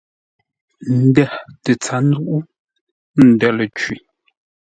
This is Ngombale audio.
Ndə̂ tə tsát nzúʼú, ndə̂ ləcwî.